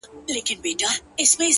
پاچا صفا ووت; ه پکي غل زه یم;